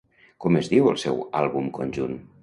Com es diu el seu àlbum conjunt?